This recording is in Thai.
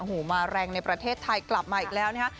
โอ้โหมาแรงในประเทศไทยกลับมาอีกแล้วนะครับ